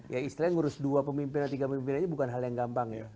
ya istilahnya ngurus dua pemimpin atau tiga pemimpin aja bukan hal yang gampang ya